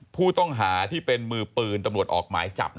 ผู้ต้องหาที่เป็นมือปืนตำรวจออกหมายจับ